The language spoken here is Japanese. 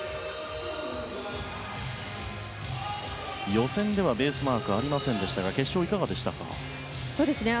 予選ではベースマークありませんでしたが決勝、いかがでしたか？